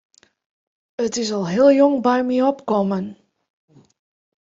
It is al heel jong by my opkommen.